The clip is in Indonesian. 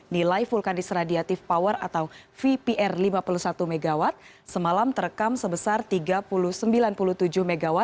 nilai vulkanis radiative power atau vpr lima puluh satu mw semalam terekam sebesar tiga puluh sembilan puluh tujuh mw